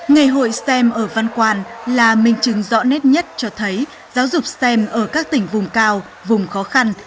ngày hội stem ở văn quan là minh chứng rõ nét nhất cho thấy giáo dục stem ở các tỉnh vùng cao vùng khó khăn